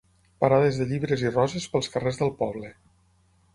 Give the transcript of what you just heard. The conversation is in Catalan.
Parades de llibres i roses pels carrers del poble.